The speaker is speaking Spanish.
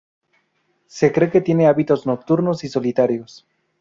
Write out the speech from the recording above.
Se cree que tiene hábitos nocturnos y solitarios.